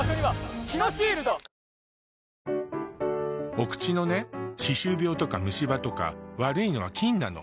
お口のね歯周病とか虫歯とか悪いのは菌なの。